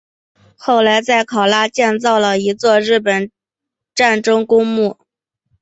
后来在考拉建造了一座日本战争公墓。